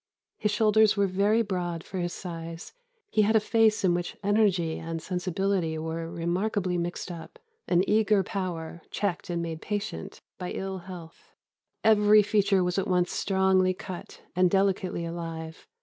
His shoulders were very broad for his size; he had a face in which energy and sensibility were remarkably mixed up; an eager power, checked and made patient by ill health. Every feature was at once strongly cut, and delicately alive.